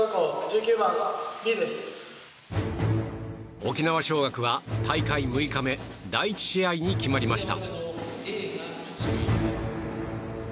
沖縄尚学は大会６日目第１試合に決まりました。